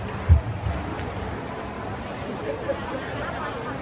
ส่วนประเภทแซมภูเจริญวิทยาลงนิยมอย่างสูง